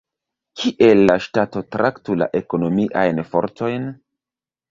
Kiel la ŝtato traktu la ekonomiajn fortojn?